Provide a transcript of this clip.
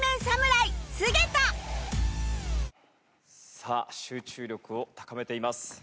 さあ集中力を高めています。